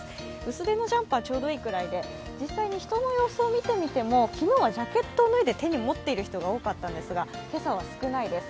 薄手のジャンパーでちょうどいいくらいで、実際に人の様子を見てみても昨日はジャケットを脱いで手に持っている人が多かったんですが今朝は少ないです。